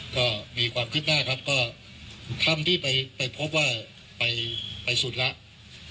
ก็มีความขึ้นหน้าครับก็ถ้ำที่ไปไปพบว่าไปไปสุดแล้ว